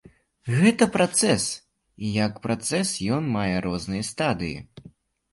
Гэта працэс, і як працэс ён мае розныя стадыі.